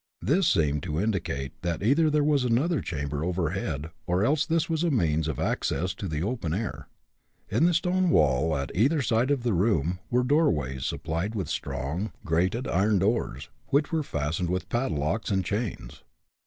This seemed to indicate that either there was another chamber, overhead, or else this was a means of access to the open air. In the stone wall, at either side of the room, were doorways supplied with strong, grated iron doors, which were fastened with padlocks and chains.